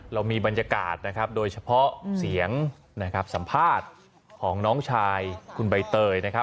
เรามีบรรยากาศโดยเฉพาะเสียงสัมภาษณ์ของน้องชายคุณใบเตย